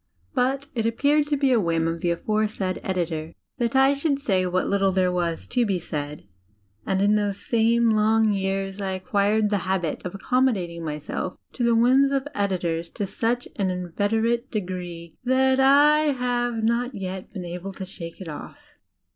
But it appeared to be a whim of the aforesaid editor that I should say what Utde there was to be said; and in those same long years I acquired the habit of accommodadng myself to the whims of editors to such an inveterate degree that 1 have not yet been able to shake it off.